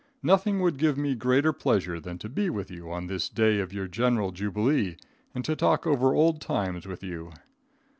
Nothing would give me greater pleasure than to be with you on this day of your general jubilee and to talk over old times with you.